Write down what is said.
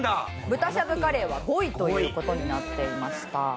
豚しゃぶカレーは５位という事になっていました。